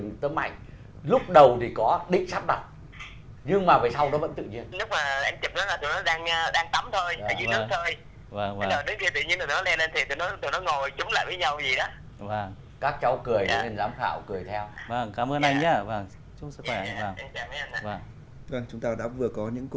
người ta hồn hương